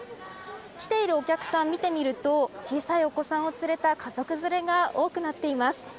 来ているお客さんを見てみると小さいお子さんを連れた家族連れが多くなっています。